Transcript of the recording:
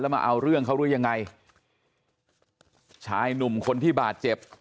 มาเอาเรื่องเขาหรือยังไงชายหนุ่มคนที่บาดเจ็บ